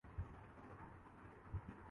سست رد عمل دیتا ہوں